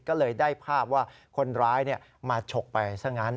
ก็เลยได้ภาพว่าคนร้ายมาฉกไปซะงั้น